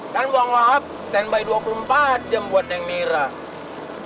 kan bang wahab standby dua puluh empat jam buat neng mirak